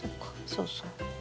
そうそう。